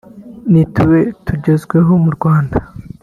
nit we tugezweho mu Rwanda